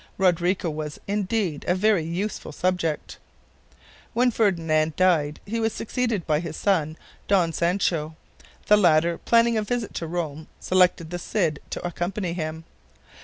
Rodrigo was, indeed, a very useful subject. When Ferdinand died, he was succeeded by his son, Don Sancho. The latter, planning a visit to Rome, selected the Cid to accompany him.